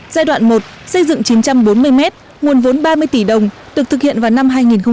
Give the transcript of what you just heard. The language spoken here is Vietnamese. giai đoạn một xây dựng chín trăm bốn mươi m nguồn vốn ba mươi tỷ đồng được thực hiện vào năm hai nghìn một mươi